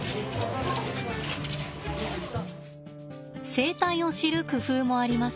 生態を知る工夫もあります。